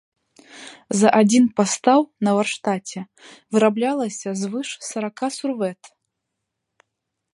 За адзін пастаў на варштаце выраблялася звыш сарака сурвэт.